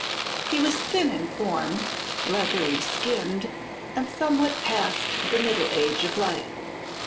He was thin in form, leathery skinned and somewhat past the middle age of life.